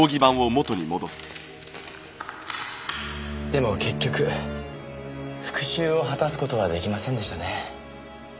でも結局復讐を果たす事は出来ませんでしたね。